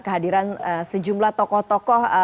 kehadiran sejumlah tokoh tokoh